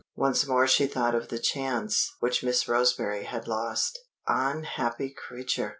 Once more she thought of the chance which Miss Roseberry had lost. Unhappy creature!